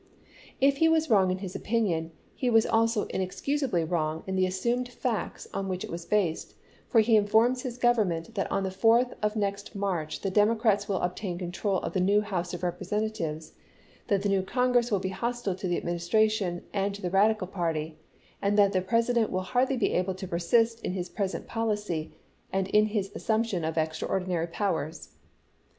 If he was wrong in his opinion, he was also in excusably wrong in the assumed facts on which it was based ; for he informs his Government that on the 4th of next March the Democrats will obtain control of the new House of Eepresentatives ; that the new Congress will be hostile to the Administra tion and to the Radical party, and that the Presi dent will hardly be able to persist in his present poUcy, and in his assumption of extraordinary powers.